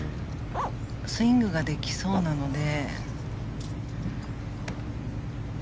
スイングができそうなので。